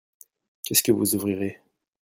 Qu'est-ce que vous ouvrirez ?